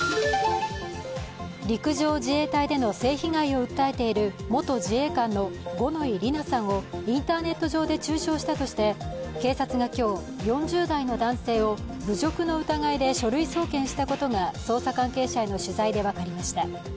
陸上自衛隊での性被害を訴えている元自衛官の五ノ井里奈さんをインターネット上で中傷したとして、警察が今日、４０代の男性を侮辱の疑いで書類送検したことが捜査関係者への取材で分かりました。